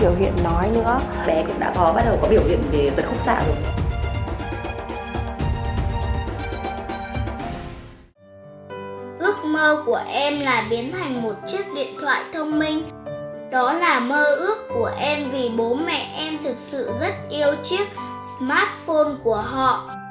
đó là mơ ước của em vì bố mẹ em thật sự rất yêu chiếc smartphone của họ